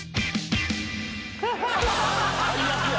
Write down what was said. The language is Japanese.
最悪や！